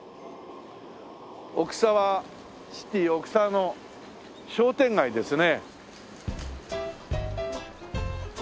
奥沢シティー奥沢の商店街ですね。